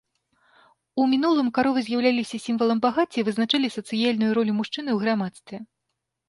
У мінулым каровы з'яўляліся сімвалам багацця і вызначалі сацыяльную ролю мужчыны ў грамадстве.